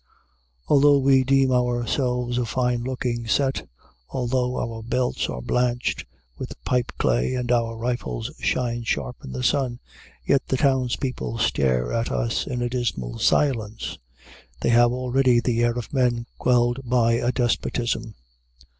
Although we deem ourselves a fine looking set, although our belts are blanched with pipe clay and our rifles shine sharp in the sun, yet the townspeople stare at us in a dismal silence. They have already the air of men quelled by a despotism.